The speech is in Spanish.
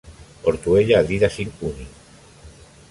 Ortuella, Adidas Int., Uni.